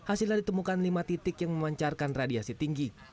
hasilnya ditemukan lima titik yang memancarkan radiasi tinggi